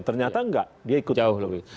ternyata enggak dia ikut